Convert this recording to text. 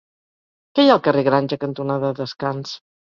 Què hi ha al carrer Granja cantonada Descans?